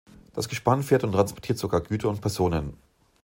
Das Gespann fährt und transportiert sogar Güter und Personen.